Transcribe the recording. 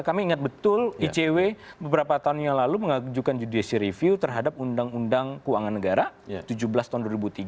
kami ingat betul icw beberapa tahun yang lalu mengajukan judici review terhadap undang undang keuangan negara tujuh belas tahun dua ribu tiga